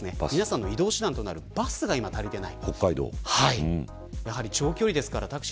皆さんの移動手段となるバスが足りていない。